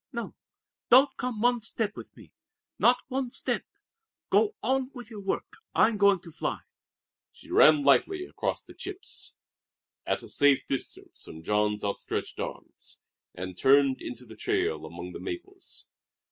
No, don't come one step with me. Not one step. Go on with your work. I'm going to fly." She ran lightly across the chips, at a safe distance from Jean's outstretched arms, and turned into the trail among the maples.